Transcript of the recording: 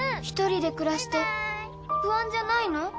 一人で暮らして不安じゃないの？